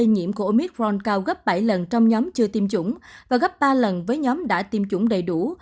nhiễm của omitron cao gấp bảy lần trong nhóm chưa tiêm chủng và gấp ba lần với nhóm đã tiêm chủng đầy đủ